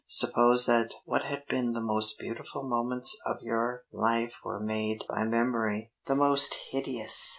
Suppose that what had been the most beautiful moments of your life were made, by memory, the most hideous!